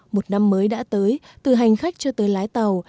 một năm mới đã tới từ hành khách cho tới lái tàu